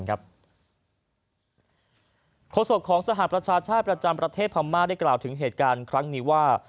โฆษกของสหประชาชาติประจำประเทศพม่าได้กล่าวถึงเหตุการณ์ครั้งนี้ว่า